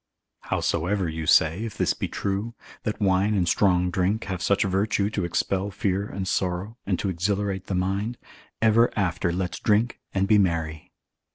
Howsoever you say, if this be true, that wine and strong drink have such virtue to expel fear and sorrow, and to exhilarate the mind, ever hereafter let's drink and be merry.